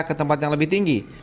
ke tempat yang lebih tinggi